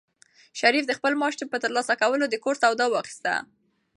شریف د خپل معاش په ترلاسه کولو سره د کور سودا واخیسته.